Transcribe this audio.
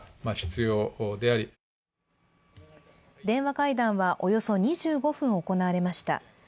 電話会談はおよそ２５分行われました。